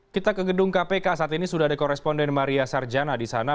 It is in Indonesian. kita ke gedung kpk saat ini sudah ada koresponden maria sarjana di sana